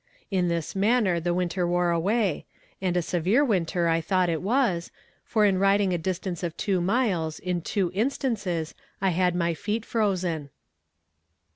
In this manner the winter wore away, and a severe winter I thought it was; for in riding a distance of two miles, in two instances, I had my feet frozen.